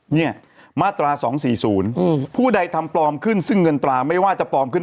เนี่ยมาตรา๒๔๐ผู้ใดทำปลอมขึ้นซึ่งเงินตราไม่ว่าจะปลอมขึ้น